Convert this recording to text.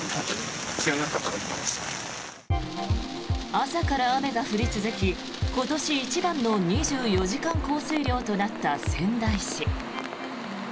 朝から雨が降り続き今年一番の２４時間降水量となった仙台市。